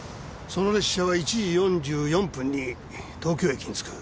その列車は１時４４分に東京駅に着く。